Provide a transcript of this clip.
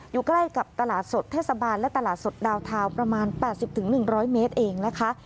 อยู่ใกล้กับตลาดสดเทศบาลและตลาดสดดาวทาวน์ประมาณ๘๐๑๐๐เมตรเองนะคะ